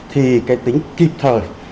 thì cái tính kịp thời